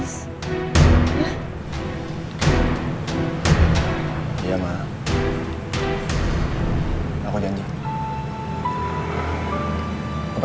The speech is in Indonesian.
semoga dia gak ada apa apa